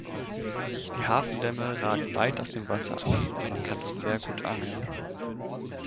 Die Hafendämme ragen weit aus dem Wasser und man kann dort sehr gut Angeln.